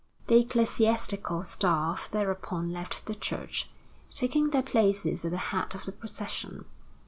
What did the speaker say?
The ecclesiastical staff thereupon left the church, taking their places at the head of the procession.